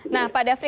nah pak dhafri